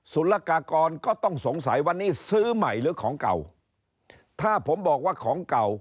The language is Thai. ุลกากรก็ต้องสงสัยวันนี้ซื้อใหม่หรือของเก่าถ้าผมบอกว่าของเก่า